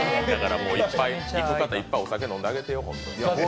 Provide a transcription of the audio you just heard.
行く方、いっぱいお酒飲んであげてよ。